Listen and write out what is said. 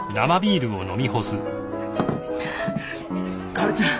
薫ちゃん！